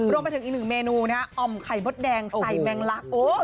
รวมไปถึงอีก๑เมนูนะออมไข่มดแดงใส่แมงลักษณ์